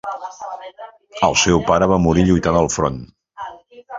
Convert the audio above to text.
El seu pare va morir lluitant al front.